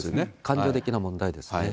感情的な問題ですね。